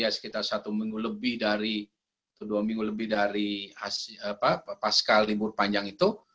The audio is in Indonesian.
sekitar satu minggu lebih dari dua minggu lebih dari pasca libur panjang itu